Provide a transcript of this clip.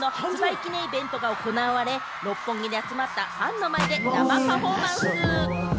記念イベントが行われ、六本木に集まったファンの前で生パフォーマンス。